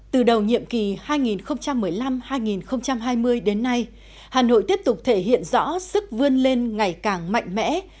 từ đầu nhiệm kỳ hai nghìn một mươi năm hai nghìn hai mươi đến nay hà nội tiếp tục thể hiện rõ sức vươn lên ngày càng mạnh mẽ